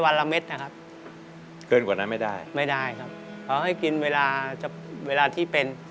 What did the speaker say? ไม่ได้ครับเขาให้กินเวลาที่เป็น